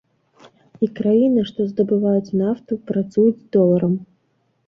І краіны, што здабываюць нафту, працуюць з доларам.